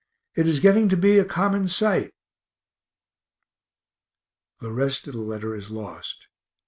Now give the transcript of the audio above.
It is getting to be a common sight. [_The rest of the letter is lost.